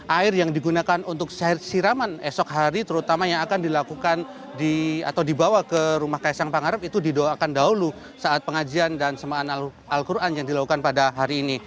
air yang digunakan untuk siraman esok hari terutama yang akan dilakukan atau dibawa ke rumah kaisang pangarep itu didoakan dahulu saat pengajian dan semaan al quran yang dilakukan pada hari ini